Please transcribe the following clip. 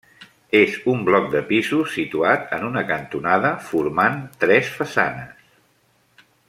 És un bloc de pisos situat en una cantonada formant tres façanes.